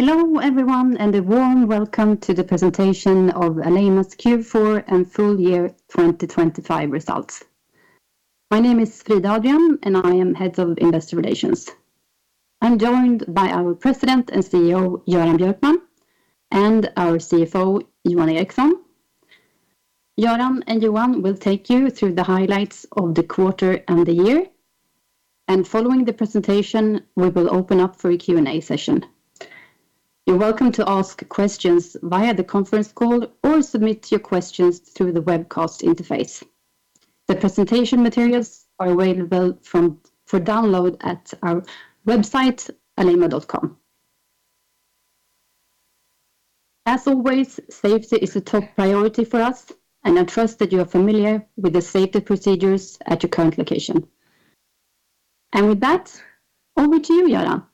Hello, everyone, and a warm welcome to the presentation of Alleima's Q4 and full year 2025 results. My name is Frida Adrian, and I am Head of Investor Relations. I'm joined by our President and CEO, Göran Björkman, and our CFO, Johan Eriksson. Göran and Johan will take you through the highlights of the quarter and the year, and following the presentation, we will open up for a Q&A session. You're welcome to ask questions via the conference call or submit your questions through the webcast interface. The presentation materials are available for download at our website, alleima.com. As always, safety is a top priority for us, and I trust that you are familiar with the safety procedures at your current location. With that, over to you, Göran.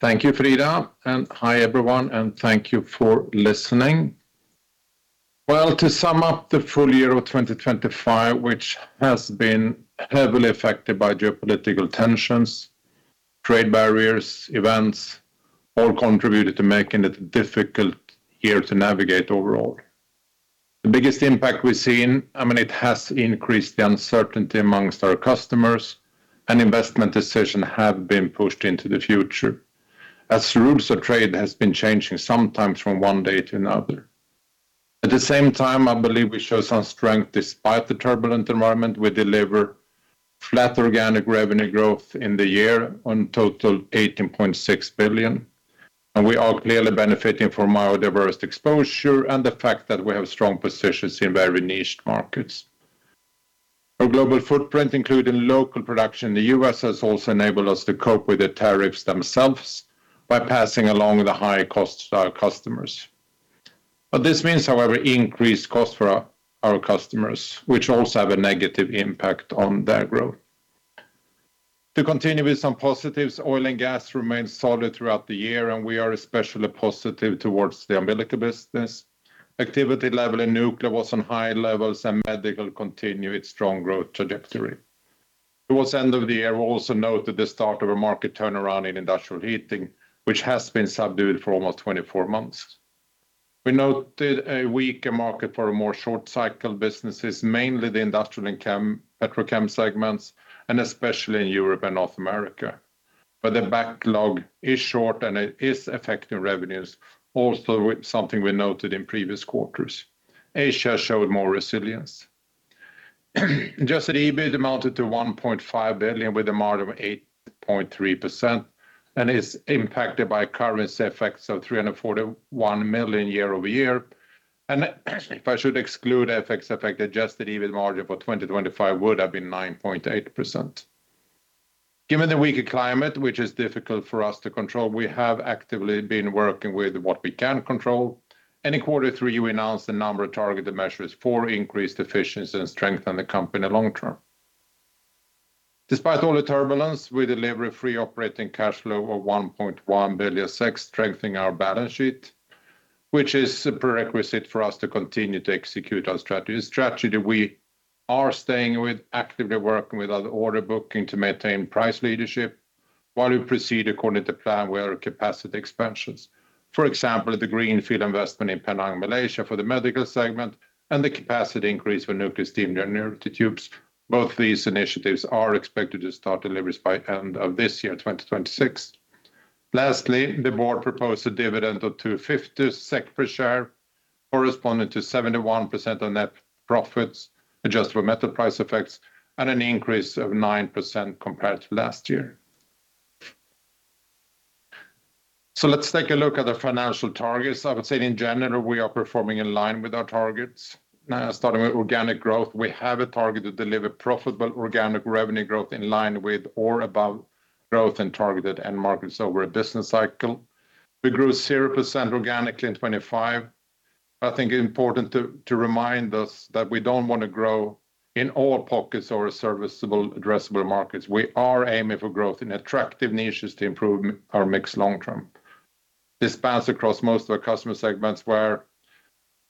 Thank you, Frida, and hi, everyone, and thank you for listening. Well, to sum up the full year of 2025, which has been heavily affected by geopolitical tensions, trade barriers, events, all contributed to making it difficult year to navigate overall. The biggest impact we've seen, I mean, it has increased the uncertainty among our customers, and investment decisions have been pushed into the future as the rules of trade has been changing, sometimes from one day to another. At the same time, I believe we show some strength despite the turbulent environment. We deliver flat organic revenue growth in the year, on total 18.6 billion, and we are clearly benefiting from our diverse exposure and the fact that we have strong positions in very niched markets. Our global footprint, including local production in the U.S., has also enabled us to cope with the tariffs themselves by passing along the higher costs to our customers. But this means, however, increased costs for our, our customers, which also have a negative impact on their growth. To continue with some positives, oil and gas remained solid throughout the year, and we are especially positive towards the umbilical business. Activity level in nuclear was on high levels, and medical continued its strong growth trajectory. Towards end of the year, we also noted the start of a market turnaround in industrial heating, which has been subdued for almost 24 months. We noted a weaker market for a more short cycle businesses, mainly the industrial and chem, petrochem segments, and especially in Europe and North America. The backlog is short, and it is affecting revenues, also with something we noted in previous quarters. Asia showed more resilience. Adjusted EBIT amounted to 1.5 billion, with a margin of 8.3%, and is impacted by currency effects of 341 million year-over-year. If I should exclude effects, affected adjusted EBIT margin for 2025 would have been 9.8%. Given the weaker climate, which is difficult for us to control, we have actively been working with what we can control, and in quarter three, we announced a number of targeted measures for increased efficiency and strength in the company long term. Despite all the turbulence, we deliver a free operating cash flow of 1.1 billion, strengthening our balance sheet, which is a prerequisite for us to continue to execute our strategy. A strategy we are staying with, actively working with our order booking to maintain price leadership while we proceed according to plan with our capacity expansions. For example, the greenfield investment in Penang, Malaysia, for the medical segment and the capacity increase for nuclear steam generator tubes. Both these initiatives are expected to start deliveries by end of this year, 2026. Lastly, the board proposed a dividend of 2.50 SEK per share, corresponding to 71% of net profits, adjusted for metal price effects, and an increase of 9% compared to last year. So let's take a look at the financial targets. I would say, in general, we are performing in line with our targets. Starting with organic growth, we have a target to deliver profitable organic revenue growth in line with or above growth and targeted end markets over a business cycle. We grew 0% organically in 2025. I think it's important to, to remind us that we don't want to grow in all pockets or serviceable addressable markets. We are aiming for growth in attractive niches to improve our mix long term. This spans across most of our customer segments, where,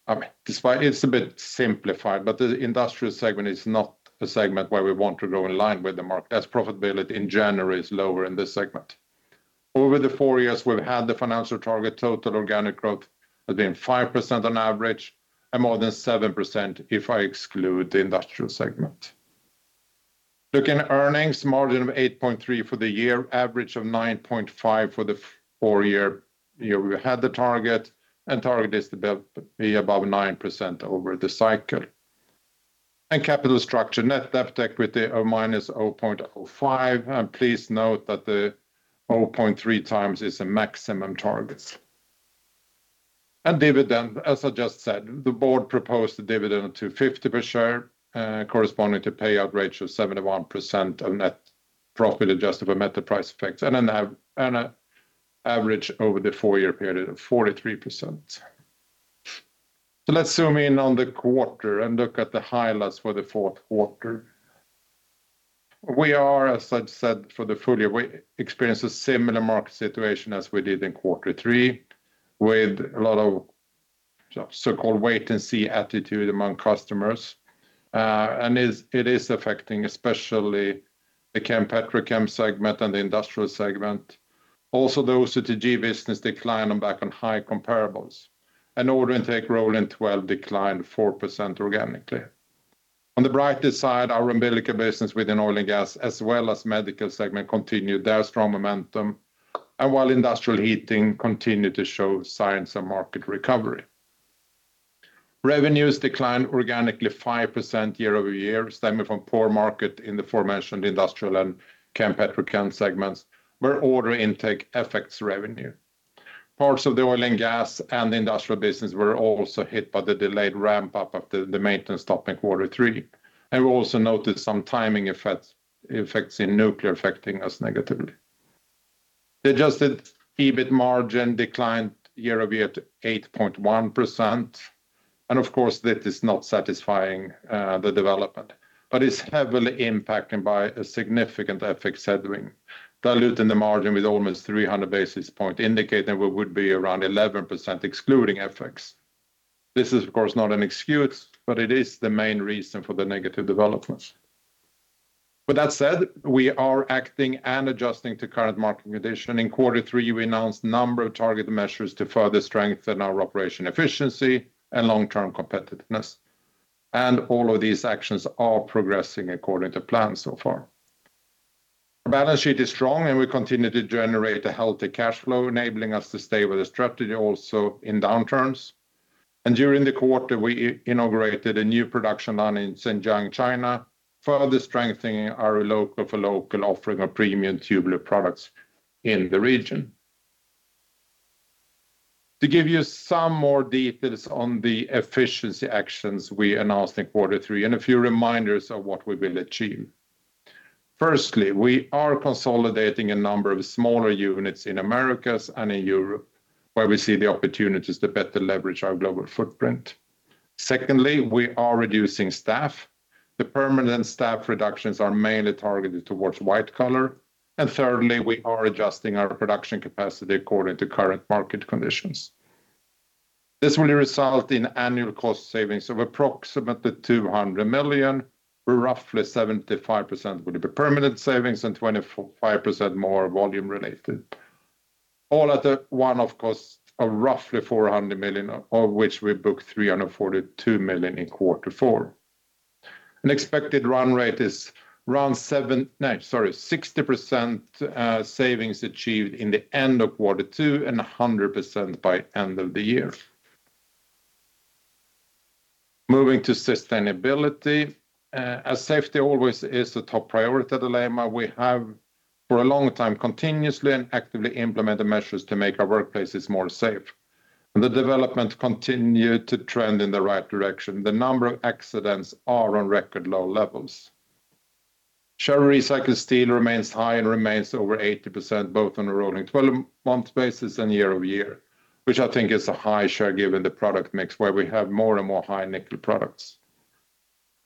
I mean, despite it's a bit simplified, but the industrial segment is not a segment where we want to grow in line with the market, as profitability in general is lower in this segment. Over the four years, we've had the financial target, total organic growth has been 5% on average and more than 7% if I exclude the industrial segment. Looking at earnings, margin of 8.3 for the year, average of 9.5 for the four-year year we had the target, and target is to be above 9% over the cycle. Capital structure, net debt to equity of -0.05, and please note that the 0.3 times is a maximum target. Dividend, as I just said, the board proposed a dividend of 2.50 per share, corresponding to payout ratio of 71% of net profit, adjusted for metal price effects, and an average over the four-year period of 43%. So let's zoom in on the quarter and look at the highlights for the fourth quarter. We are, as I've said, for the full year, we experienced a similar market situation as we did in quarter three, with a lot of so-called wait-and-see attitude among customers, and it is affecting especially the Chem/Petrochem segment and the industrial segment. Also, the OCTG business declined on the back of high comparables, and order intake rolling twelve declined 4% organically. On the brighter side, our umbilical business within oil and gas, as well as medical segment, continued their strong momentum, and while industrial heating continued to show signs of market recovery. Revenues declined organically 5% year-over-year, stemming from poor market in the aforementioned industrial and chem-petchem segments, where order intake affects revenue. Parts of the oil and gas, and the industrial business were also hit by the delayed ramp up of the maintenance stop in quarter three, and we also noted some timing effects in nuclear affecting us negatively. The adjusted EBIT margin declined year-over-year to 8.1%, and of course, that is not satisfying, the development. But it's heavily impacted by a significant FX headwind, diluting the margin with almost 300 basis points, indicating we would be around 11%, excluding FX. This is, of course, not an excuse, but it is the main reason for the negative developments. With that said, we are acting and adjusting to current market condition. In quarter three, we announced a number of targeted measures to further strengthen our operation efficiency and long-term competitiveness, and all of these actions are progressing according to plan so far. Balance sheet is strong, and we continue to generate a healthy cash flow, enabling us to stay with the strategy also in downturns. During the quarter, we inaugurated a new production line in Zhenjiang, China, further strengthening our local-for-local offering of premium tubular products in the region. To give you some more details on the efficiency actions we announced in quarter three, and a few reminders of what we will achieve. Firstly, we are consolidating a number of smaller units in Americas and in Europe, where we see the opportunities to better leverage our global footprint. Secondly, we are reducing staff. The permanent staff reductions are mainly targeted towards white collar. And thirdly, we are adjusting our production capacity according to current market conditions. This will result in annual cost savings of approximately 200 million, roughly 75% would be permanent savings, and 25% more volume related. All at a run rate, of course, of roughly 400 million, of which we booked 342 million in quarter four. An expected run rate is around 7, no, sorry, 60% savings achieved in the end of Q2, and 100% by end of the year. Moving to sustainability, as safety always is a top priority at Alleima, we have, for a long time, continuously and actively implemented measures to make our workplaces more safe, and the development continued to trend in the right direction. The number of accidents are on record low levels. Share recycled steel remains high and remains over 80%, both on a rolling twelve-month basis and year-over-year, which I think is a high share, given the product mix, where we have more and more high nickel products.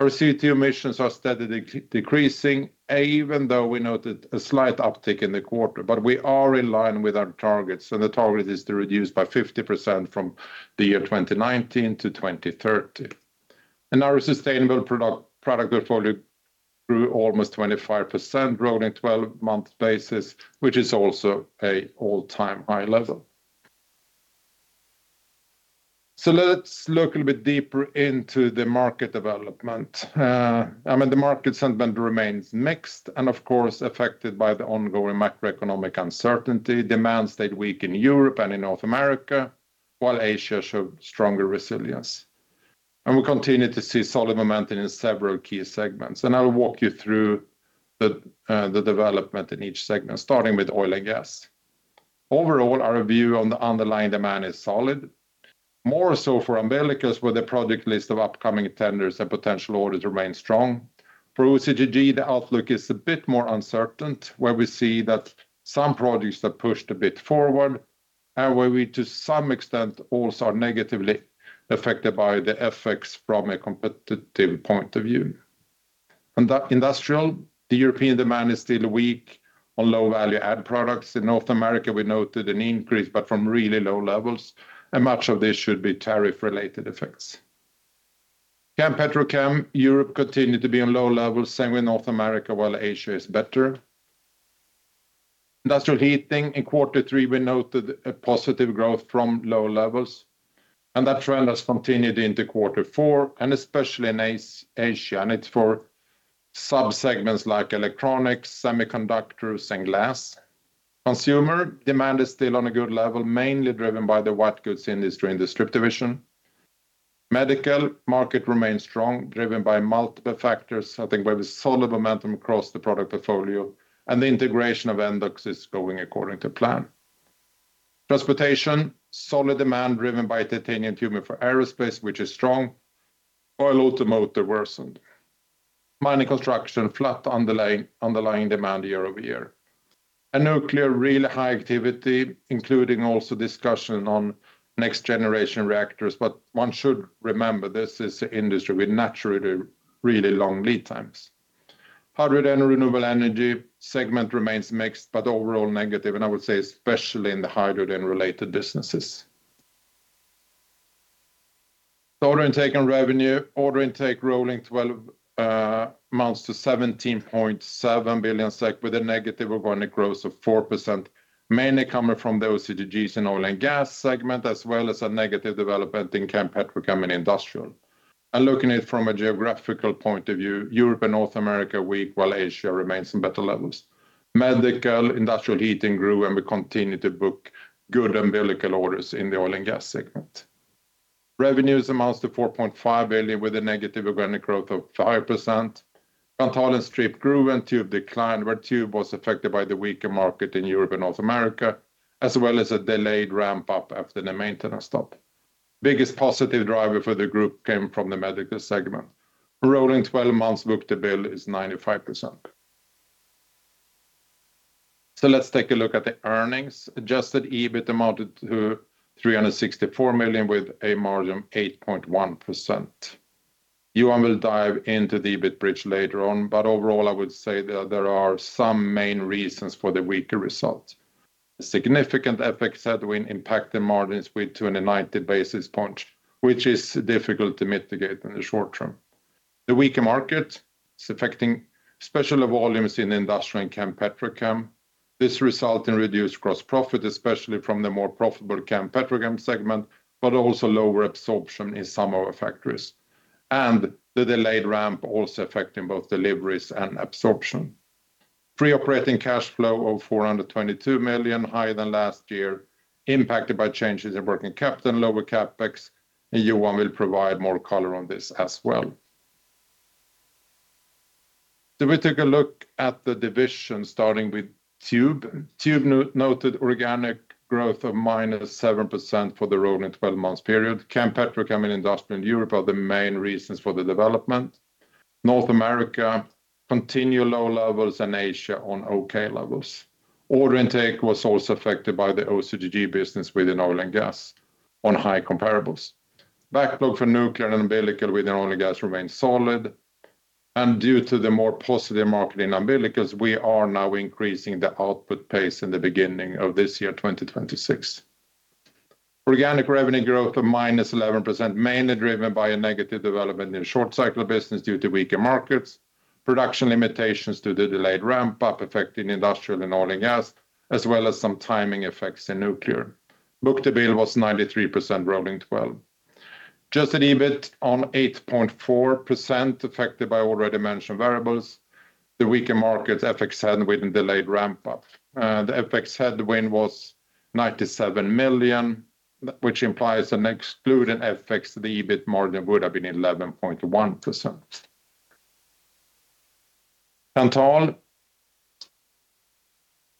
Our CO2 emissions are steadily decreasing, even though we noted a slight uptick in the quarter, but we are in line with our targets, and the target is to reduce by 50% from the year 2019 to 2030. And our sustainable product portfolio grew almost 25%, 12-month basis, which is also an all-time high level. So let's look a little bit deeper into the market development. I mean, the market sentiment remains mixed, and of course, affected by the ongoing macroeconomic uncertainty. Demand stayed weak in Europe and in North America, while Asia showed stronger resilience. And we continue to see solid momentum in several key segments, and I will walk you through the development in each segment, starting with oil and gas. Overall, our view on the underlying demand is solid, more so for umbilicals, where the product list of upcoming tenders and potential orders remain strong. For OCTG, the outlook is a bit more uncertain, where we see that some projects are pushed a bit forward, and where we, to some extent, also are negatively affected by the FX from a competitive point of view. In the industrial, the European demand is still weak on low-value add products. In North America, we noted an increase, but from really low levels, and much of this should be tariff-related effects. Chem Petchem, Europe continued to be on low levels, same with North America, while Asia is better. Industrial heating in quarter three, we noted a positive growth from low levels, and that trend has continued into quarter four, and especially in Asia, and it's for sub-segments like electronics, semiconductors, and glass. Consumer demand is still on a good level, mainly driven by the white goods industry and distribution. Medical market remains strong, driven by multiple factors, I think, where there's solid momentum across the product portfolio, and the integration of Endox is going according to plan. Transportation, solid demand driven by titanium tube for aerospace, which is strong, while automotive worsened. Mining construction, flat underlying, underlying demand year-over-year. And nuclear, real high activity, including also discussion on next-generation reactors, but one should remember, this is an industry with naturally really long lead times. Hydrogen and renewable energy segment remains mixed, but overall negative, and I would say especially in the hydrogen-related businesses. Order intake and revenue, order intake rolling twelve months to 17.7 billion SEK, with a negative organic growth of 4%, mainly coming from the OCTGs in oil and gas segment, as well as a negative development in chem, petrochem, and industrial. Looking at it from a geographical point of view, Europe and North America weak, while Asia remains in better levels. Medical, industrial heating grew, and we continue to book good umbilical orders in the oil and gas segment. Revenues amounts to 4.5 billion, with a negative organic growth of 5%. Kanthal and Strip grew, and Tube declined, where Tube was affected by the weaker market in Europe and North America, as well as a delayed ramp-up after the maintenance stop. Biggest positive driver for the group came from the medical segment. Rolling twelve months, book-to-bill is 95%. So let's take a look at the earnings. Adjusted EBIT amounted to 364 million, with a margin of 8.1%. Johan will dive into the EBIT bridge later on, but overall, I would say that there are some main reasons for the weaker results. Significant FX headwind impacted margins with 290 basis points, which is difficult to mitigate in the short term. The weaker market is affecting special volumes in industrial and chem petrochem. This result in reduced gross profit, especially from the more profitable chem petrochem segment, but also lower absorption in some of our factories, and the delayed ramp also affecting both deliveries and absorption. Free operating cash flow of 422 million, higher than last year, impacted by changes in working capital and lower CapEx, and Johan will provide more color on this as well. So we take a look at the division, starting with Tube. Tube noted organic growth of -7% for the rolling twelve months period. Chem, petrochem, and industrial in Europe are the main reasons for the development. North America continue low levels, and Asia on okay levels. Order intake was also affected by the OCTG business within oil and gas on high comparables. Backlog for nuclear and umbilical within oil and gas remains solid, and due to the more positive market in umbilicals, we are now increasing the output pace in the beginning of this year, 2026. Organic revenue growth of -11%, mainly driven by a negative development in short-cycle business due to weaker markets, production limitations due to delayed ramp-up, affecting industrial and oil and gas, as well as some timing effects in nuclear. Book-to-bill was 93%, rolling twelve. Adjusted EBIT on 8.4%, affected by already mentioned variables, the weaker markets, FX headwind, and delayed ramp-up. The FX headwind was 97 million, which implies an excluding FX, the EBIT margin would have been 11.1%. Underlying,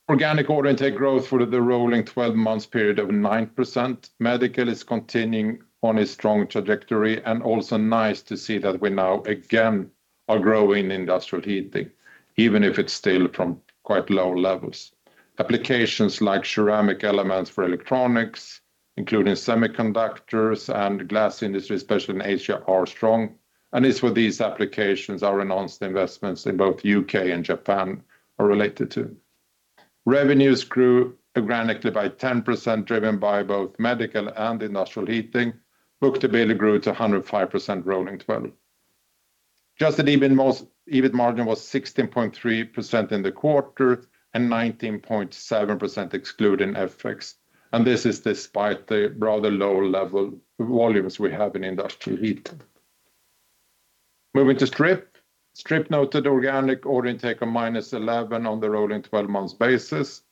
organic order intake growth for the rolling twelve months period of 9%. Medical is continuing on a strong trajectory, and also nice to see that we now, again, are growing industrial heating, even if it's still from quite low levels. Applications like ceramic elements for electronics, including semiconductors and glass industry, especially in Asia, are strong, and it's what these applications our announced investments in both UK and Japan are related to. Revenues grew organically by 10%, driven by both medical and industrial heating. Book-to-bill grew to 105%, rolling twelve. Adjusted EBIT most, EBIT margin was 16.3% in the quarter and 19.7% excluding FX, and this is despite the rather low-level volumes we have in industrial heat. Moving to Strip. Strip noted organic order intake of -11 on the rolling twelve months basis,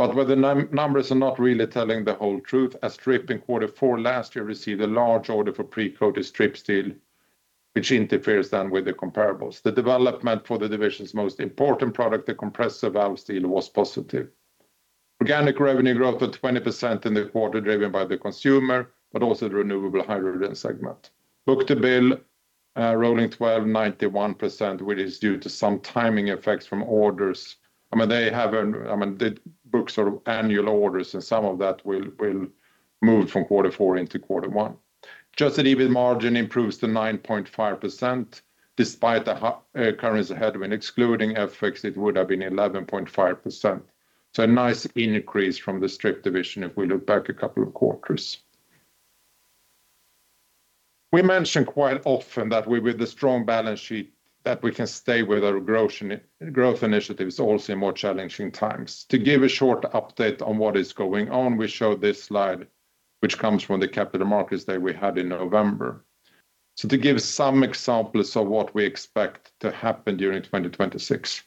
but where the numbers are not really telling the whole truth, as Strip in quarter four last year received a large order for pre-coated strip steel, which interferes then with the comparables. The development for the division's most important product, the compressor valve steel, was positive. Organic revenue growth of 20% in the quarter, driven by the consumer, but also the renewable hydrogen segment. Book-to-bill, rolling twelve, 91%, which is due to some timing effects from orders. I mean, they have, I mean, the book-to-bill sort of annual orders, and some of that will move from quarter four into quarter one. Just an EBIT margin improves to 9.5%, despite the currency headwind. Excluding FX, it would have been 11.5%. So a nice increase from the Strip division if we look back a couple of quarters. We mention quite often that we, with a strong balance sheet, that we can stay with our growth initiatives, also in more challenging times. To give a short update on what is going on, we show this slide, which comes from the Capital Markets Day that we had in November. So to give some examples of what we expect to happen during 2026,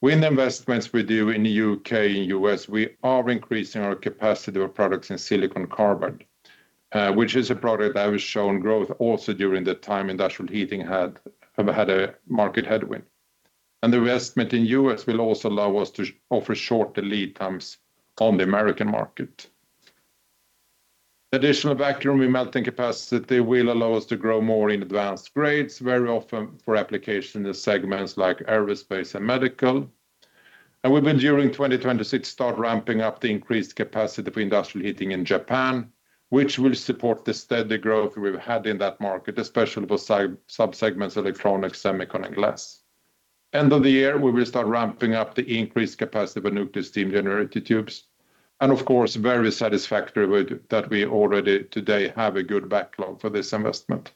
with investments we do in the U.K. and U.S., we are increasing our capacity of products in silicon carbide, which is a product that was shown growth also during the time industrial heating have had a market headwind. We will, during 2026, start ramping up the increased capacity for industrial heating in Japan, which will support the steady growth we've had in that market, especially for subsegments, electronics, semicon, and glass. End of the year, we will start ramping up the increased capacity for nuclear steam generator tubes, and of course, very satisfactory with that we already today have a good backlog for this investment.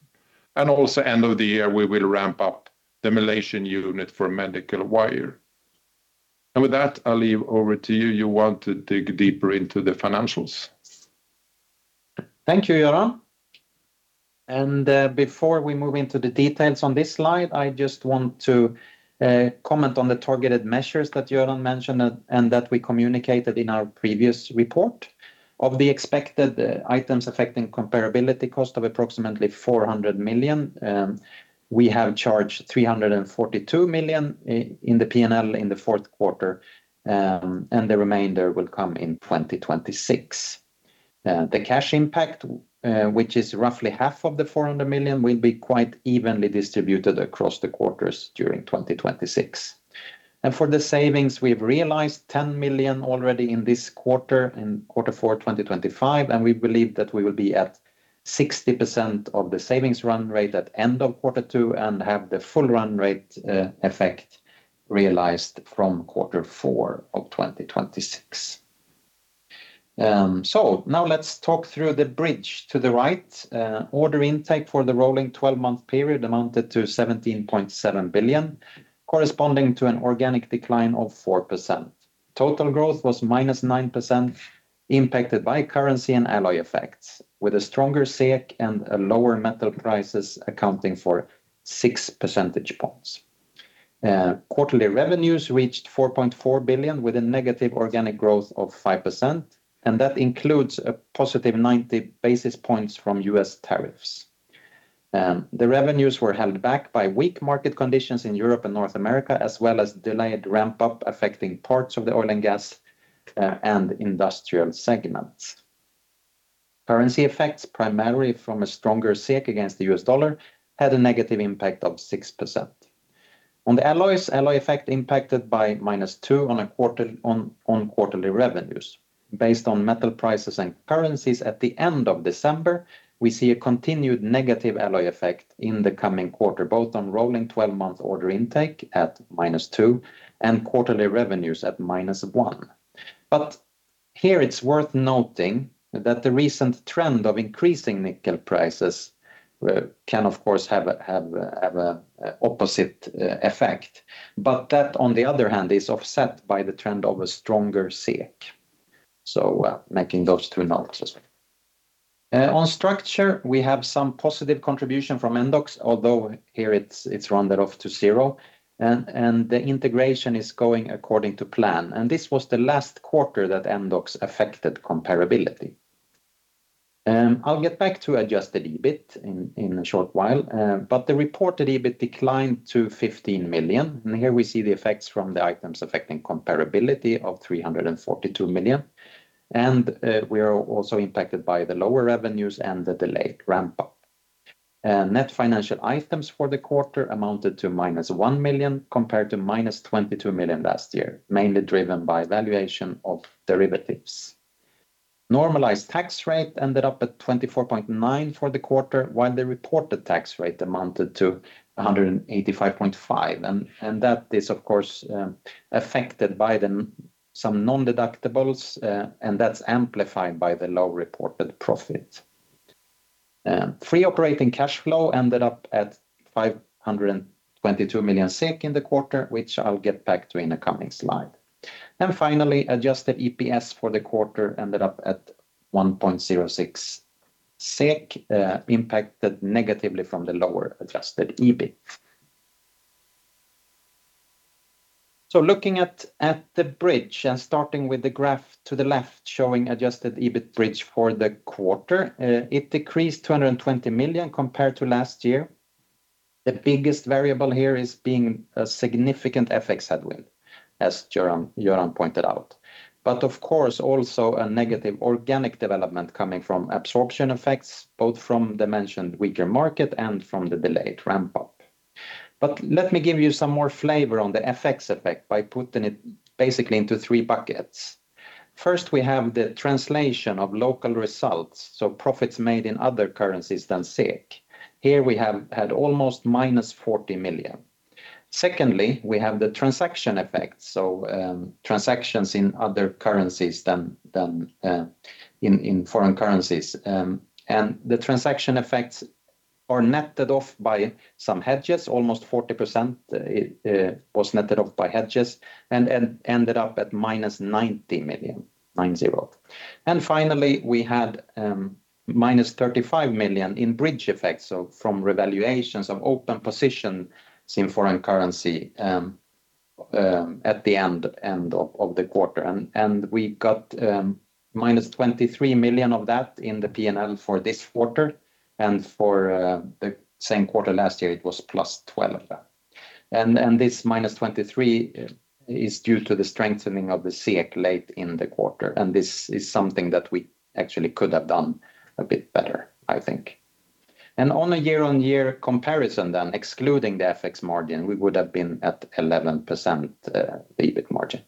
Also, end of the year, we will ramp up the Malaysian unit for medical wire. With that, I'll leave over to you. You want to dig deeper into the financials. Thank you, Göran. Before we move into the details on this slide, I just want to comment on the targeted measures that Göran mentioned and that we communicated in our previous report. Of the expected items affecting comparability cost of approximately 400 million, we have charged 342 million in the P&L in the fourth quarter, and the remainder will come in 2026. The cash impact, which is roughly half of the 400 million, will be quite evenly distributed across the quarters during 2026. For the savings, we've realized 10 million already in this quarter, in quarter four, 2025, and we believe that we will be at 60% of the savings run rate at end of quarter two and have the full run rate effect realized from quarter four of 2026. So now let's talk through the bridge. To the right, order intake for the rolling twelve-month period amounted to 17.7 billion, corresponding to an organic decline of 4%. Total growth was -9%, impacted by currency and alloy effects, with a stronger SEK and a lower metal prices accounting for six percentage points. Quarterly revenues reached 4.4 billion, with a negative organic growth of 5%, and that includes a positive 90 basis points from U.S. tariffs. The revenues were held back by weak market conditions in Europe and North America, as well as delayed ramp-up affecting parts of the oil and gas and industrial segments. Currency effects, primarily from a stronger SEK against the U.S. dollar, had a negative impact of 6%. On the alloys, alloy effect impacted by -2 on quarterly revenues. Based on metal prices and currencies at the end of December, we see a continued negative alloy effect in the coming quarter, both on rolling 12-month order intake at -2 and quarterly revenues at -1. But here it's worth noting that the recent trend of increasing nickel prices can of course have an opposite effect, but that, on the other hand, is offset by the trend of a stronger SEK, so making those two nulls as well. On structure, we have some positive contribution from Endox, although here it's rounded off to zero, and the integration is going according to plan. This was the last quarter that Endox affected comparability. I'll get back to Adjusted EBIT in a short while, but the reported EBIT declined to 15 million, and here we see the effects from the items affecting comparability of 342 million, and we are also impacted by the lower revenues and the delayed ramp-up. Net financial items for the quarter amounted to -1 million, compared to -22 million last year, mainly driven by valuation of derivatives. Normalized tax rate ended up at 24.9% for the quarter, while the reported tax rate amounted to 185.5%, and that is, of course, affected by some non-deductibles, and that's amplified by the low reported profit. Free operating cash flow ended up at 522 million SEK in the quarter, which I'll get back to in the coming slide. Finally, adjusted EPS for the quarter ended up at 1.06 SEK, impacted negatively from the lower adjusted EBIT. So looking at the bridge, and starting with the graph to the left, showing adjusted EBIT bridge for the quarter, it decreased 220 million compared to last year. The biggest variable here is being a significant FX headwind, as Göran pointed out. But of course, also a negative organic development coming from absorption effects, both from the mentioned weaker market and from the delayed ramp-up. But let me give you some more flavor on the FX effect by putting it basically into three buckets. First, we have the translation of local results, so profits made in other currencies than SEK. Here we have had almost -40 million. Secondly, we have the transaction effects, so, transactions in other currencies than in foreign currencies. And the transaction effects are netted off by some hedges. Almost 40% was netted off by hedges and ended up at -90 million. And finally, we had -35 million in bridge effects, so from revaluations of open positions in foreign currency at the end of the quarter. And we got -23 million of that in the P&L for this quarter, and for the same quarter last year, it was +12. And this -23% is due to the strengthening of the SEK late in the quarter, and this is something that we actually could have done a bit better, I think. And on a year-on-year comparison then, excluding the FX margin, we would have been at 11%, the EBIT margin.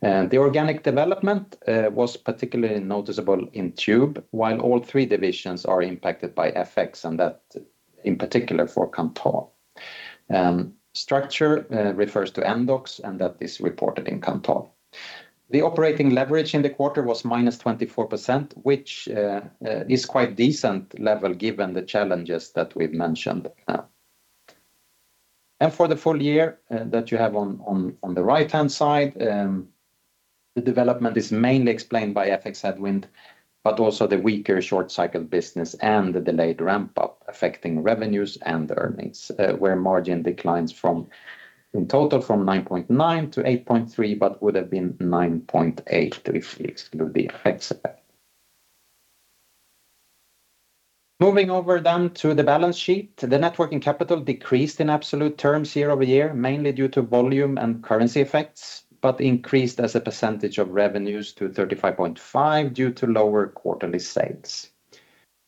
The organic development was particularly noticeable in Tube, while all three divisions are impacted by FX, and that in particular for Kanthal. Structure refers to Endox, and that is reported in Kanthal. The operating leverage in the quarter was -24%, which is quite decent level given the challenges that we've mentioned now. For the full year that you have on the right-hand side, the development is mainly explained by FX headwind, but also the weaker short cycle business and the delayed ramp-up affecting revenues and earnings, where margin declines from—in total, from 9.9 to 8.3, but would have been 9.8 if we exclude the FX effect. Moving over then to the balance sheet, the net working capital decreased in absolute terms year-over-year, mainly due to volume and currency effects, but increased as a percentage of revenues to 35.5 due to lower quarterly sales.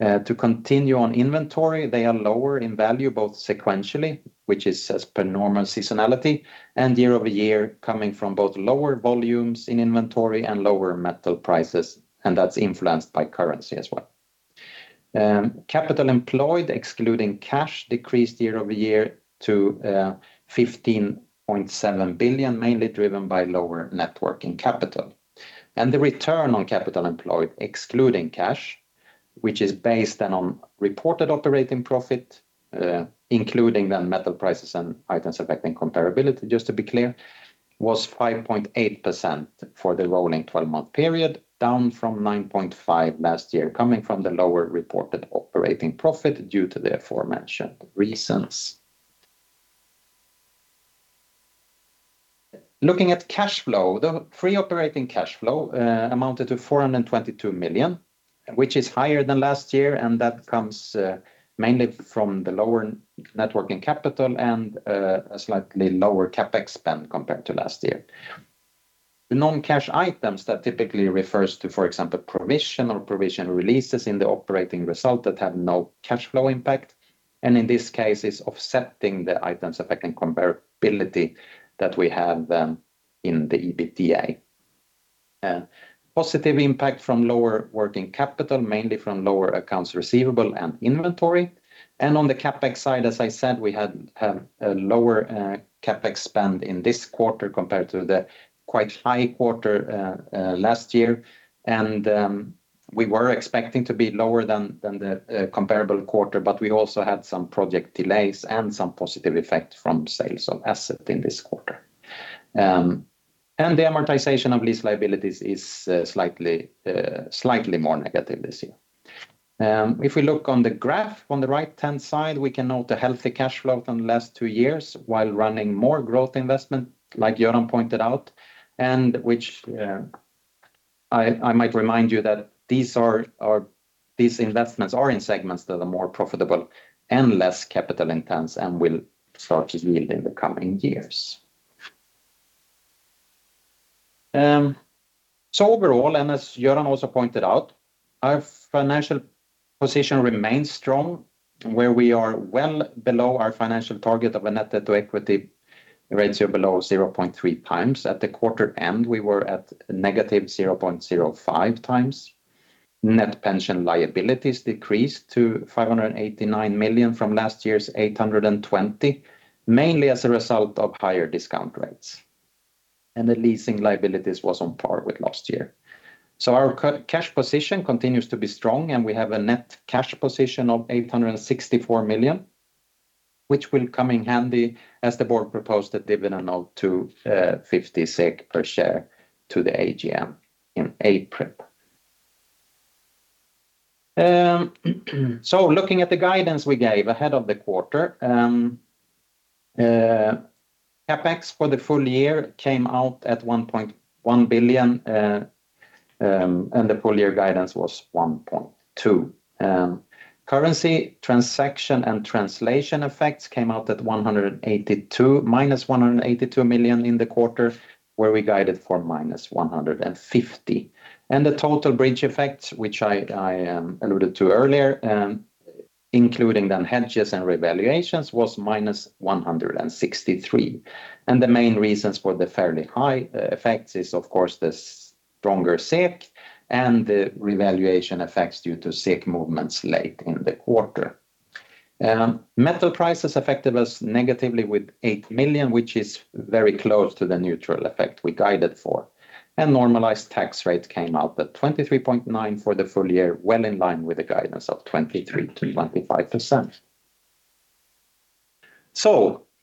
To continue on inventory, they are lower in value, both sequentially, which is as per normal seasonality, and year-over-year, coming from both lower volumes in inventory and lower metal prices, and that's influenced by currency as well. Capital employed, excluding cash, decreased year-over-year to 15.7 billion, mainly driven by lower net working capital. And the return on capital employed, excluding cash, which is based then on reported operating profit, including then metal prices and items affecting comparability, just to be clear, was 5.8% for the rolling twelve-month period, down from 9.5% last year, coming from the lower reported operating profit due to the aforementioned reasons. Looking at cash flow, the free operating cash flow amounted to 422 million, which is higher than last year, and that comes mainly from the lower net working capital and a slightly lower CapEx spend compared to last year. The non-cash items that typically refers to, for example, provision or provision releases in the operating result that have no cash flow impact, and in this case, it's offsetting the items affecting comparability that we have then in the EBITDA. Positive impact from lower working capital, mainly from lower accounts receivable and inventory. On the CapEx side, as I said, we had a lower CapEx spend in this quarter compared to the quite high quarter last year. We were expecting to be lower than the comparable quarter, but we also had some project delays and some positive effect from sales of asset in this quarter. The amortization of lease liabilities is slightly more negative this year. If we look on the graph on the right-hand side, we can note a healthy cash flow from the last two years while running more growth investment, like Göran pointed out, and which, I might remind you that these are these investments are in segments that are more profitable and less capital intense and will start to yield in the coming years. So overall, and as Göran also pointed out, our financial position remains strong, where we are well below our financial target of a net debt to equity ratio below 0.3x. At the quarter end, we were at negative 0.05x. Net pension liabilities decreased to 589 million from last year's 820 million, mainly as a result of higher discount rates. And the leasing liabilities was on par with last year. So our cash position continues to be strong, and we have a net cash position of 864 million, which will come in handy as the board proposed a dividend of 250 SEK per share to the AGM in April. So looking at the guidance we gave ahead of the quarter, CapEx for the full year came out at 1.1 billion, and the full year guidance was 1.2 billion. Currency, transaction, and translation effects came out at -182 million in the quarter, where we guided for -150. And the total bridge effects, which I alluded to earlier, including the hedges and revaluations, was -163. The main reasons for the fairly high effects is, of course, the stronger SEK and the revaluation effects due to SEK movements late in the quarter. Metal prices affected us negatively with 8 million, which is very close to the neutral effect we guided for. Normalized tax rates came out at 23.9% for the full year, well in line with the guidance of 23%-25%.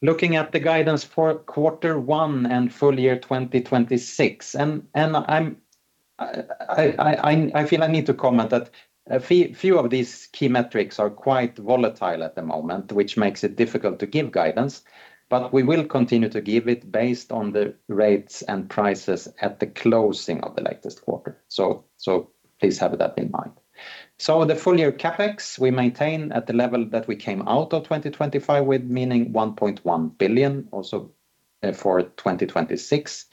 Looking at the guidance for quarter 1 and full year 2026, and I feel I need to comment that a few of these key metrics are quite volatile at the moment, which makes it difficult to give guidance, but we will continue to give it based on the rates and prices at the closing of the latest quarter. So please have that in mind. The full year CapEx, we maintain at the level that we came out of 2025 with, meaning 1.1 billion also for 2026,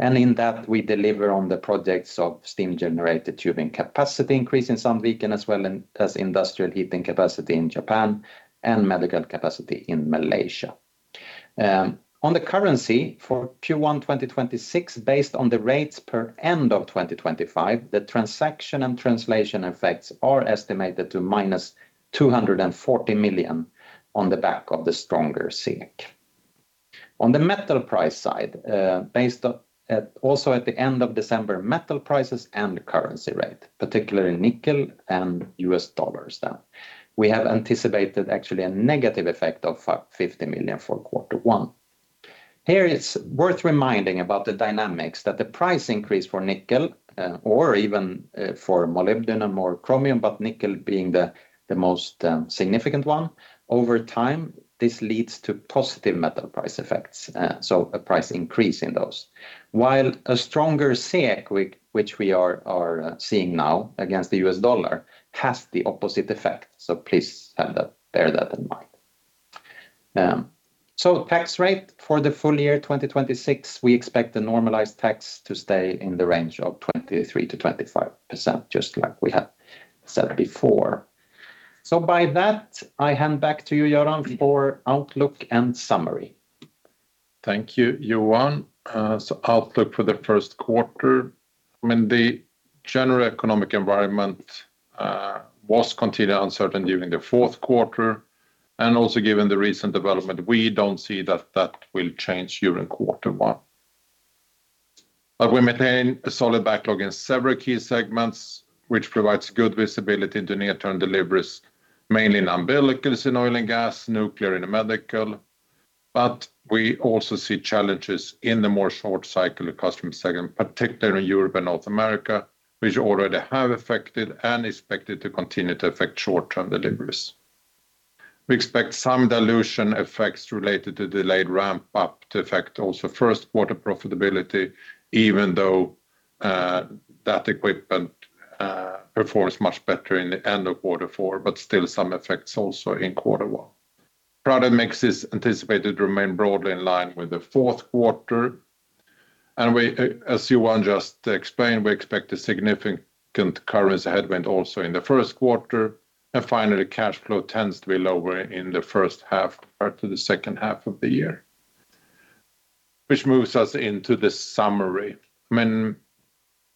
and in that, we deliver on the projects of steam generator tubing capacity increase in Sandviken, as well as industrial heating capacity in Japan and medical capacity in Malaysia. On the currency for Q1 2026, based on the rates per end of 2025, the transaction and translation effects are estimated to -240 million on the back of the stronger SEK. On the metal price side, based on also at the end of December, metal prices and currency rate, particularly nickel and US dollars, that we have anticipated actually a negative effect of -50 million for quarter one. Here, it's worth reminding about the dynamics, that the price increase for nickel, or even, for molybdenum or chromium, but nickel being the most significant one, over time, this leads to positive metal price effects. So a price increase in those. While a stronger SEK, which we are seeing now against the US dollar, has the opposite effect. So please have that, bear that in mind. So tax rate for the full year, 2026, we expect the normalized tax to stay in the range of 23%-25%, just like we have said before. So by that, I hand back to you, Göran, for outlook and summary. Thank you, Johan. So outlook for the first quarter, I mean, the general economic environment was continued uncertain during the fourth quarter, and also given the recent development, we don't see that that will change during quarter one. But we maintain a solid backlog in several key segments, which provides good visibility into near-term deliveries, mainly in umbilicals, in oil and gas, nuclear, and medical. But we also see challenges in the more short cycle of customer segment, particularly in Europe and North America, which already have affected and expected to continue to affect short-term deliveries. We expect some dilution effects related to delayed ramp up to affect also first quarter profitability, even though that equipment performs much better in the end of quarter four, but still some effects also in quarter one. Product mix is anticipated to remain broadly in line with the fourth quarter, and we, as Johan just explained, we expect a significant currency headwind also in the first quarter. And finally, cash flow tends to be lower in the first half compared to the second half of the year. Which moves us into the summary. I mean,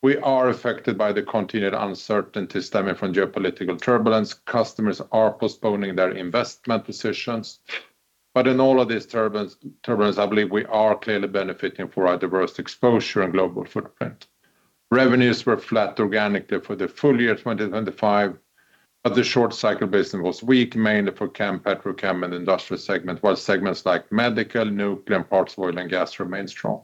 we are affected by the continued uncertainty stemming from geopolitical turbulence. Customers are postponing their investment decisions, but in all of this turbulence, I believe we are clearly benefiting from our diverse exposure and global footprint. Revenues were flat organically for the full year, 2025, but the short cycle business was weak, mainly for chem, petrochem, and industrial segment, while segments like medical, nuclear, and parts of oil and gas remained strong.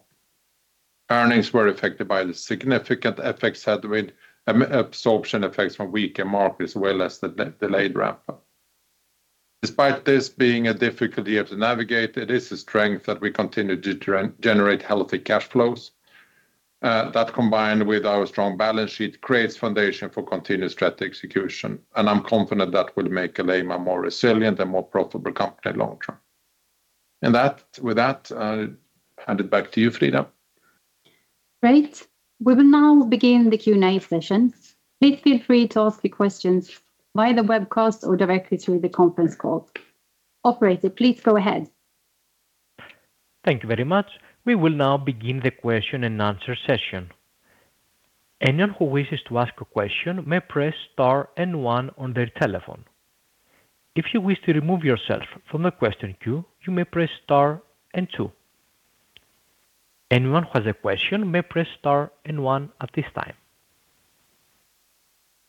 Earnings were affected by the significant effects had with absorption effects from weaker markets, as well as the delayed ramp up. Despite this being a difficult year to navigate, it is a strength that we continue to generate healthy cash flows. That, combined with our strong balance sheet, creates foundation for continuous strategy execution, and I'm confident that will make Alleima more resilient and more profitable company long term. And with that, I'll hand it back to you, Frida. Great. We will now begin the Q&A session. Please feel free to ask the questions via the webcast or directly through the conference call. Operator, please go ahead. Thank you very much. We will now begin the question and answer session. Anyone who wishes to ask a question may press Star and One on their telephone. If you wish to remove yourself from the question queue, you may press Star and Two. Anyone who has a question may press Star and One at this time.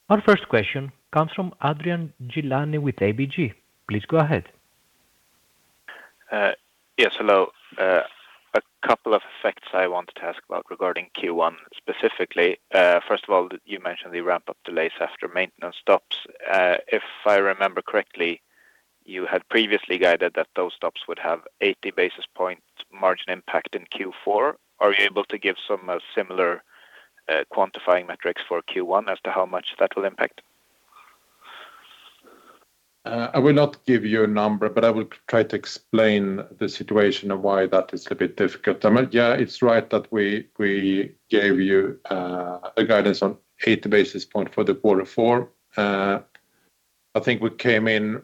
Our first question comes from Adrian Gilani with ABG. Please go ahead. Yes, hello. A couple of effects I wanted to ask about regarding Q1 specifically. First of all, you mentioned the ramp-up delays after maintenance stops. If I remember correctly, you had previously guided that those stops would have 80 basis points margin impact in Q4. Are you able to give some similar quantifying metrics for Q1 as to how much that will impact? I will not give you a number, but I will try to explain the situation of why that is a bit difficult. I mean, yeah, it's right that we, we gave you, a guidance on 80 basis points for quarter four. I think we came in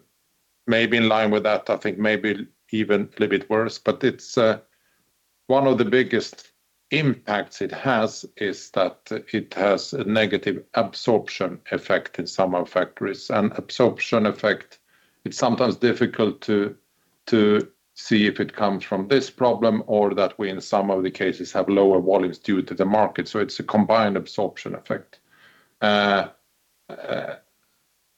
maybe in line with that, I think maybe even a little bit worse. But it's, one of the biggest impacts it has is that it has a negative absorption effect in some of factories. And absorption effect, it's sometimes difficult to, to see if it comes from this problem or that we, in some of the cases, have lower volumes due to the market, so it's a combined absorption effect.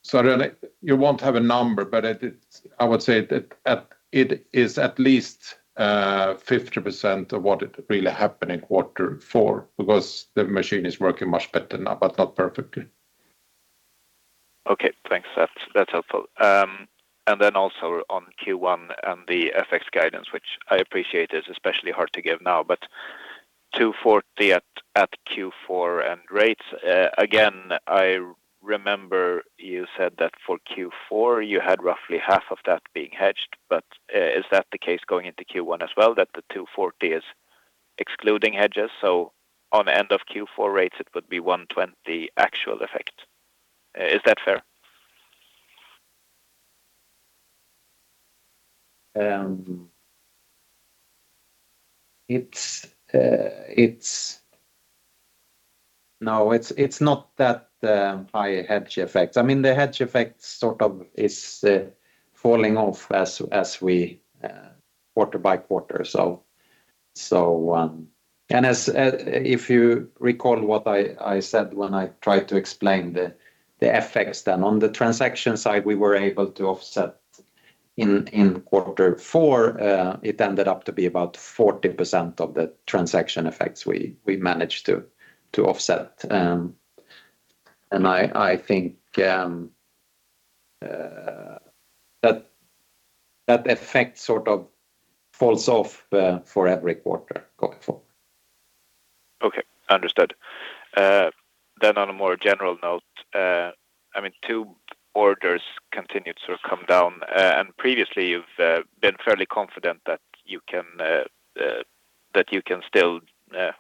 So you won't have a number, but it, it, I would say that at, it is at least 50% of what it really happened in quarter four, because the machine is working much better now, but not perfectly. Okay, thanks. That's, that's helpful. And then also on Q1 and the FX guidance, which I appreciate is especially hard to give now, but 240 at Q4 and rates. Again, I remember you said that for Q4, you had roughly half of that being hedged, but is that the case going into Q1 as well, that the 240 is excluding hedges? So on the end of Q4 rates, it would be 120 actual effect. Is that fair? It's not that high hedge effect. I mean, the hedge effect sort of is falling off as we quarter by quarter. And as if you recall what I said, when I tried to explain the effects, then on the transaction side, we were able to offset in quarter four, it ended up to be about 40% of the transaction effects we managed to offset. And I think that effect sort of falls off for every quarter going forward. Okay, understood. Then on a more general note, I mean, two orders continued to sort of come down, and previously you've been fairly confident that you can still,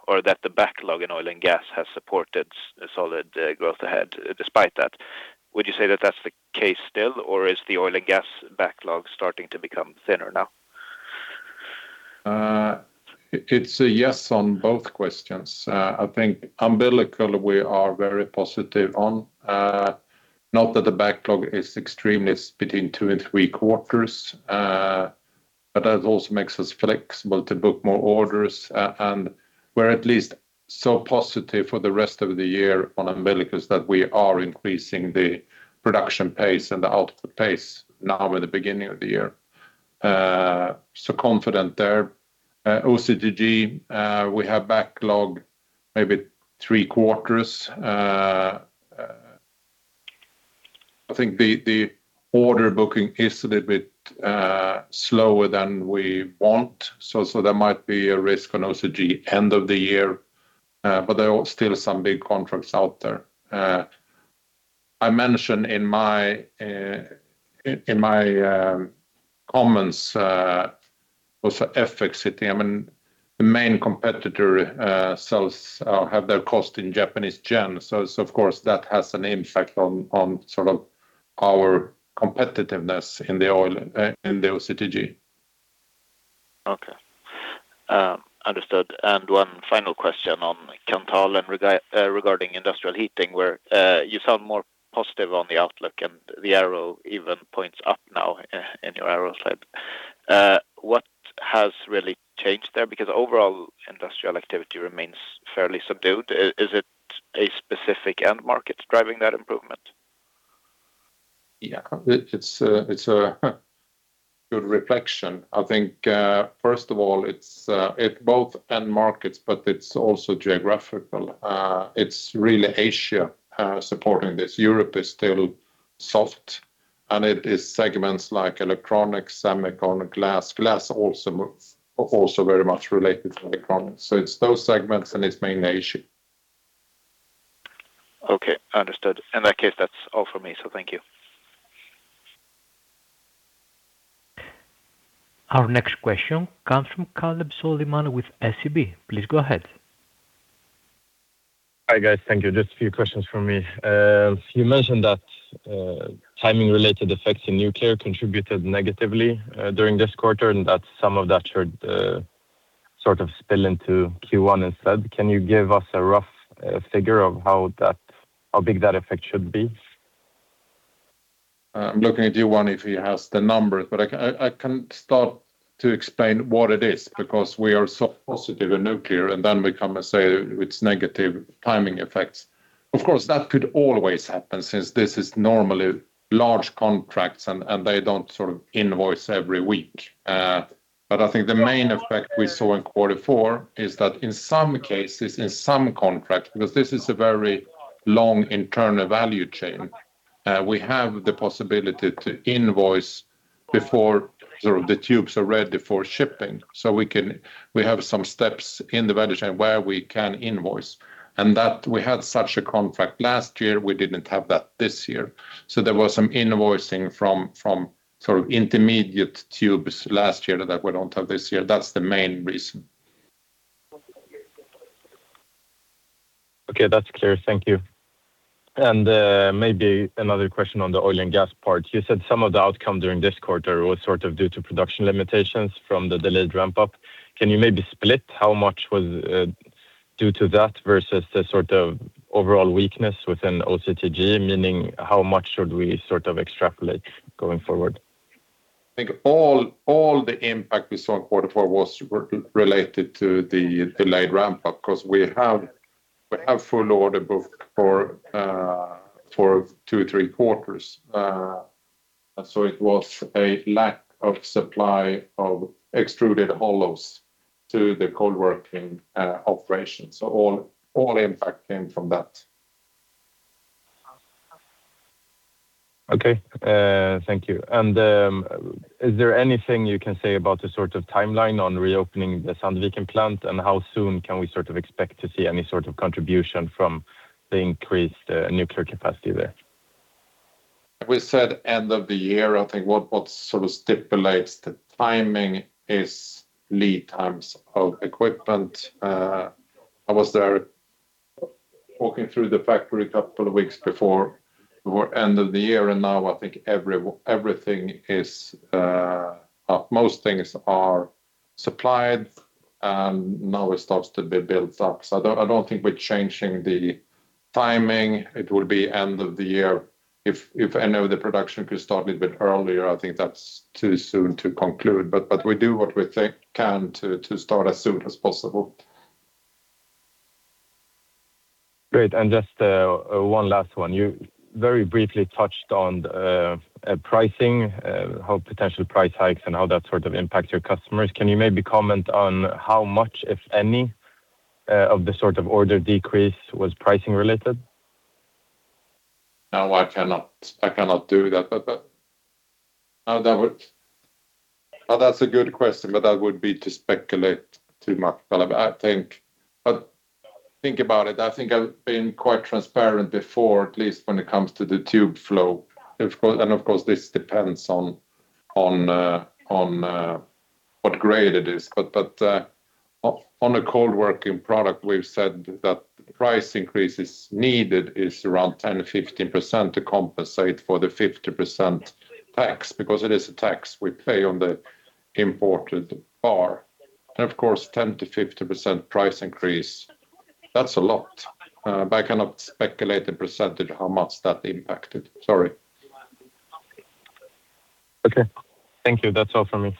or that the backlog in oil and gas has supported a solid growth ahead, despite that. Would you say that that's the case still, or is the oil and gas backlog starting to become thinner now? It's a yes on both questions. I think umbilical, we are very positive on, not that the backlog is extremely, it's between two and three quarters, but that also makes us flexible to book more orders. And we're at least so positive for the rest of the year on umbilicals, that we are increasing the production pace and the output pace now in the beginning of the year. So confident there. OCTG, we have backlog, maybe three quarters. I think the order booking is a little bit slower than we want. So there might be a risk on OCTG end of the year, but there are still some big contracts out there. I mentioned in my comments also FX, see, I mean, the main competitor sells have their cost in Japanese yen. So of course, that has an impact on sort of our competitiveness in the oil in the OCTG. Okay. Understood. And one final question on Kanthal and regarding industrial heating, where you sound more positive on the outlook, and the arrow even points up now in your arrow slide. What has really changed there? Because overall, industrial activity remains fairly subdued. Is it a specific end market driving that improvement? Yeah. It's a good reflection. I think, first of all, it's both end markets, but it's also geographical. It's really Asia supporting this. Europe is still soft, and it is segments like electronics, semiconductor, glass. Glass also very much related to electronics. So it's those segments, and it's mainly Asia. Okay, understood. In that case, that's all for me. So thank you. Our next question comes from Kaleb Solomon with SEB. Please go ahead. Hi, guys. Thank you. Just a few questions from me. You mentioned that timing-related effects in nuclear contributed negatively during this quarter, and that some of that should sort of spill into Q1 instead. Can you give us a rough figure of how big that effect should be? I'm looking at Johan, if he has the numbers, but I can start to explain what it is, because we are so positive in nuclear, and then we come and say it's negative timing effects. Of course, that could always happen since this is normally large contracts and they don't sort of invoice every week. But I think the main effect we saw in quarter four is that in some cases, in some contracts, because this is a very long internal value chain, we have the possibility to invoice before the tubes are ready for shipping. So we can, we have some steps in the value chain where we can invoice, and that we had such a contract last year. We didn't have that this year. There was some invoicing from sort of intermediate tubes last year that we don't have this year. That's the main reason. Okay, that's clear. Thank you. And, maybe another question on the oil and gas part. You said some of the outcome during this quarter was sort of due to production limitations from the delayed ramp-up. Can you maybe split how much was due to that versus the sort of overall weakness within OCTG? Meaning, how much should we sort of extrapolate going forward? I think all the impact we saw in quarter four was related to the delayed ramp-up, because we have full order book for two or three quarters. So it was a lack of supply of extruded hollows to the cold working operation. So all impact came from that. Okay, thank you. Is there anything you can say about the sort of timeline on reopening the Sandviken plant, and how soon can we sort of expect to see any sort of contribution from the increased nuclear capacity there? We said end of the year. I think what sort of stipulates the timing is lead times of equipment. I was there walking through the factory a couple of weeks before end of the year, and now I think everything is, most things are supplied, and now it starts to be built up. So I don't, I don't think we're changing the timing. It will be end of the year. If, if I know the production could start a bit earlier, I think that's too soon to conclude, but, but we do what we think can to, to start as soon as possible. Great, and just, one last one. You very briefly touched on, pricing, how potential price hikes and how that sort of impacts your customers. Can you maybe comment on how much, if any, of the sort of order decrease was pricing related? No, I cannot, I cannot do that. But, but, no, that would. Well, that's a good question, but that would be to speculate too much. But I think, but think about it, I think I've been quite transparent before, at least when it comes to the Tube flow. Of course, and of course, this depends on, on, what grade it is, but, but, on a cold working product, we've said that the price increase is needed is around 10%-15% to compensate for the 50% tax, because it is a tax we pay on the imported bar. And of course, 10%-15% price increase, that's a lot. But I cannot speculate the percentage how much that impacted. Sorry. Okay, thank you. That's all for me.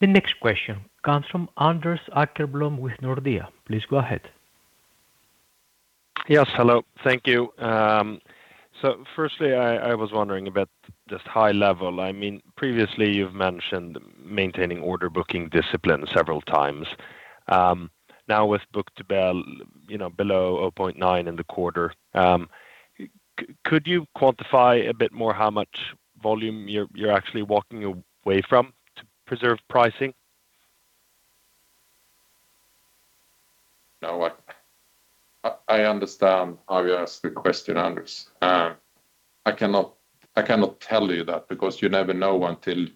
The next question comes from Anders Åkerblom with Nordea. Please go ahead. Yes, hello. Thank you. So firstly, I was wondering about just high level. I mean, previously you've mentioned maintaining order booking discipline several times. Now with book-to-bill, you know, below 0.9 in the quarter, could you quantify a bit more how much volume you're actually walking away from to preserve pricing? No, I understand how you ask the question, Anders. I cannot tell you that because you never know until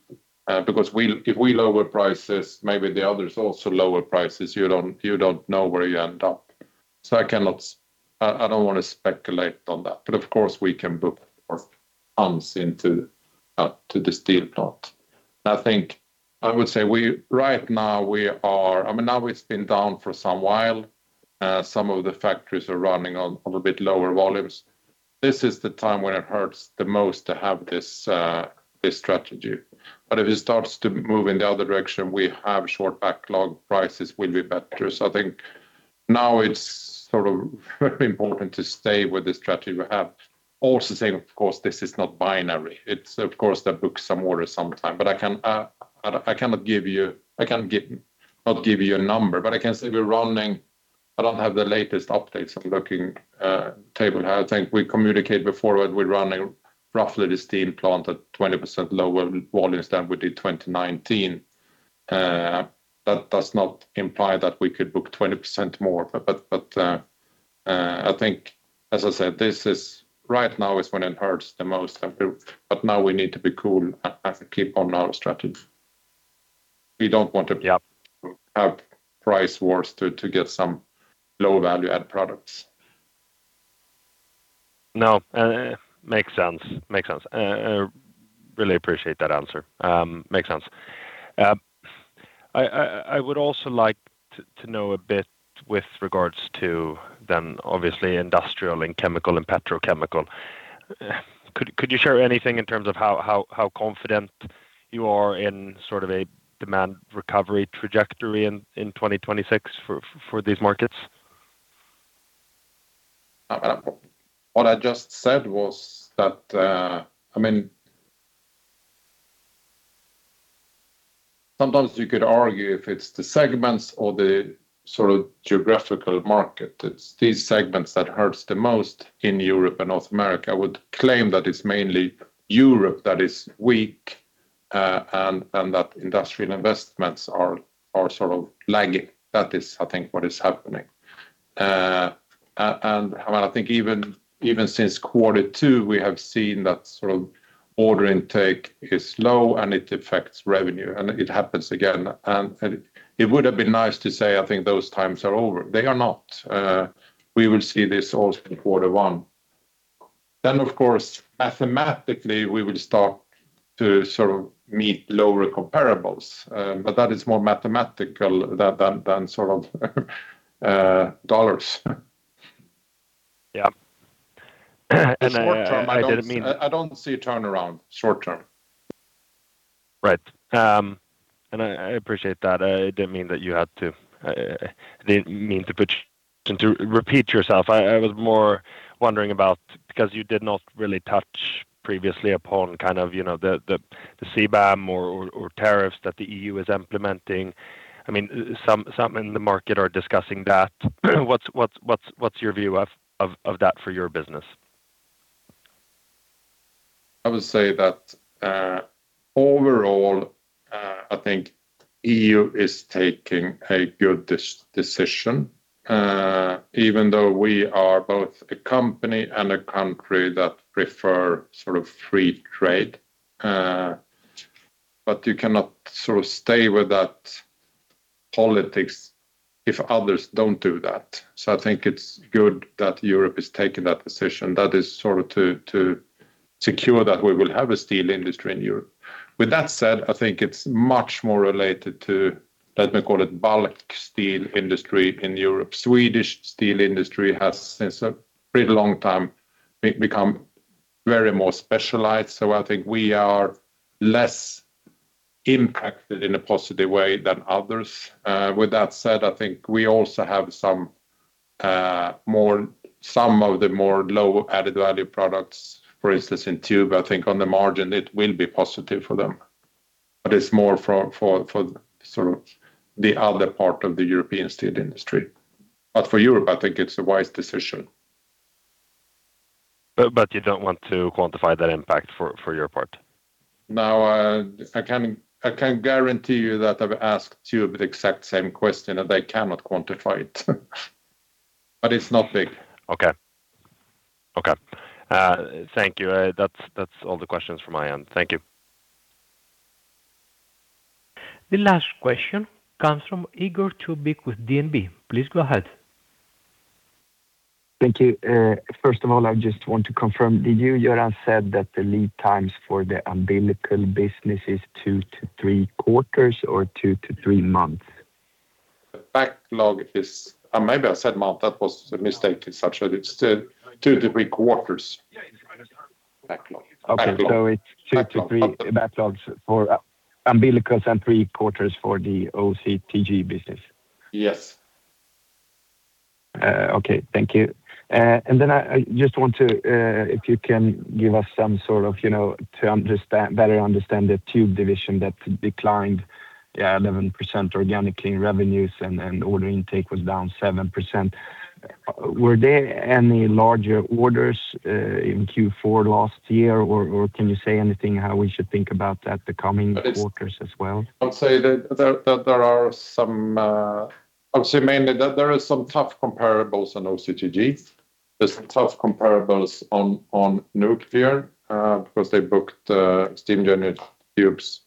because if we lower prices, maybe the others also lower prices, you don't know where you end up. So I cannot, I don't want to speculate on that, but of course, we can book more months into to the steel plant. I think I would say, right now we are, I mean, now it's been down for some while. Some of the factories are running on a bit lower volumes. This is the time when it hurts the most to have this strategy. But if it starts to move in the other direction, we have short backlog, prices will be better. So I think now it's sort of very important to stay with the strategy we have. Also saying, of course, this is not binary. It's of course the book-to-bill sometime, but I cannot give you a number, but I can say we're running. I don't have the latest updates. I'm looking at the table. I think we communicated before when we're running roughly the steel plant at 20% lower volumes than we did in 2019. That does not imply that we could book 20% more. But I think, as I said, this is right now when it hurts the most, but now we need to be cool and keep on our strategy. We don't want to- Yeah -have price wars to get some low value-add products. No, makes sense, makes sense. Really appreciate that answer. Makes sense. I would also like to know a bit with regards to then obviously, industrial and chemical and petrochemical. Could you share anything in terms of how confident you are in sort of a demand recovery trajectory in 2026 for these markets? What I just said was that, I mean, sometimes you could argue if it's the segments or the sort of geographical market, it's these segments that hurts the most in Europe and North America. I would claim that it's mainly Europe that is weak, and that industrial investments are sort of lagging. That is, I think what is happening. I think even since quarter two, we have seen that sort of order intake is low, and it affects revenue, and it happens again. It would have been nice to say, I think those times are over. They are not. We will see this also in quarter one. Then, of course, mathematically, we will start to sort of meet lower comparables, but that is more mathematical than sort of dollars. Yeah. I didn't mean- I don't see a turnaround, short term. Right. And I, I appreciate that. I didn't mean that you had to, I didn't mean to put you to repeat yourself. I, I was more wondering about, because you did not really touch upon previously kind of, you know, the, the, the CBAM or, or, or tariffs that the EU is implementing. I mean, some, some in the market are discussing that. What's, what's, what's, what's your view of, of, of that for your business? I would say that, overall, I think EU is taking a good decision, even though we are both a company and a country that prefer sort of free trade. But you cannot sort of stay with that politics if others don't do that. So I think it's good that Europe is taking that decision. That is sort of to secure that we will have a steel industry in Europe. With that said, I think it's much more related to, let me call it, bulk steel industry in Europe. Swedish steel industry has, since a pretty long time, become very more specialized, so I think we are less impacted in a positive way than others. With that said, I think we also have some of the more low added value products, for instance, in Tube. I think on the margin, it will be positive for them. But it's more for sort of the other part of the European steel industry. But for Europe, I think it's a wise decision. But you don't want to quantify that impact for your part? No, I can, I can guarantee you that I've asked Tube the exact same question, and they cannot quantify it, but it's not big. Okay. Thank you. That's, that's all the questions from my end. Thank you. The last question comes from Igor Tubic with DNB. Please go ahead. Thank you. First of all, I just want to confirm, did you, Göran, said that the lead times for the umbilical business is 2-3 quarters or 2-3 months? The backlog is, maybe I said month, that was a mistake as such, but it's 2-3 quarters. Yeah, it's- Backlog. Okay, it's 2-3 backlogs for umbilicals and 3 quarters for the OCTG business? Yes. Okay. Thank you. And then I just want to, if you can give us some sort of, you know, to understand, better understand the Tube division that declined, yeah, 11% organically in revenues and order intake was down 7%. Were there any larger orders in Q4 last year, or can you say anything, how we should think about that the coming- It's- -quarters as well? I would say mainly that there are some tough comparables on OCTG. There's some tough comparables on nuclear, because they booked steam generator tubes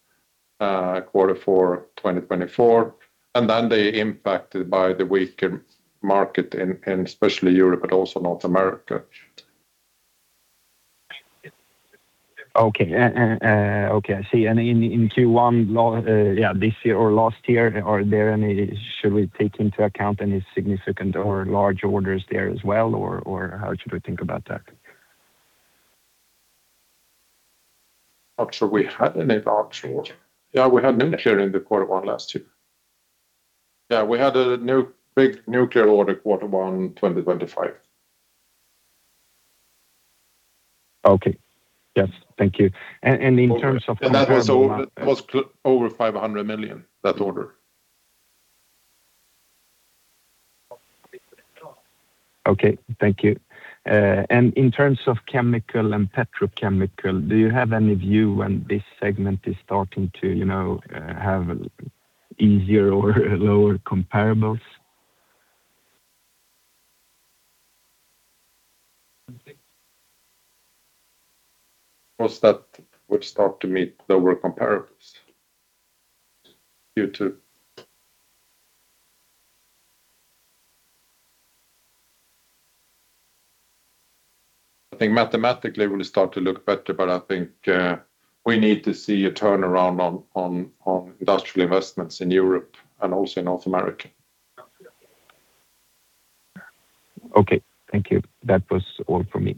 quarter four 2024, and then they impacted by the weaker market in especially Europe, but also North America. Okay, and okay, I see. And in Q1, yeah, this year or last year, should we take into account any significant or large orders there as well, or how should we think about that? Not sure we had any large order. Yeah, we had nuclear in the quarter one last year. Yeah, we had a new big nuclear order, quarter one, 2025. Okay. Yes. Thank you. And in terms of- And that was over 500 million, that order. Okay, thank you. In terms of chemical and petrochemical, do you have any view when this segment is starting to, you know, have easier or lower comparables? Of course, that would start to meet lower comparables. Q2. I think mathematically will start to look better, but I think we need to see a turnaround on industrial investments in Europe and also in North America. Okay. Thank you. That was all for me.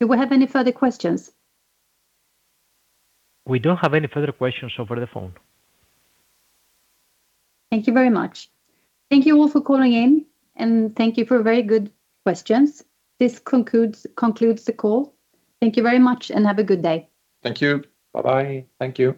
Do we have any further questions? We don't have any further questions over the phone. Thank you very much. Thank you all for calling in, and thank you for very good questions. This concludes the call. Thank you very much, and have a good day. Thank you. Bye-bye. Thank you.